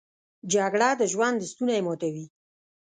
جګړه د ژوند ستونی ماتوي